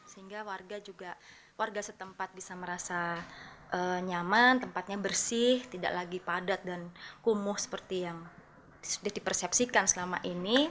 sehingga warga juga warga setempat bisa merasa nyaman tempatnya bersih tidak lagi padat dan kumuh seperti yang sudah dipersepsikan selama ini